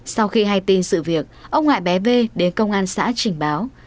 sau khi hay tin sự việc ông lại bé v đến công an xã trình báo